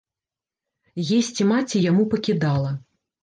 Есці маці яму пакідала.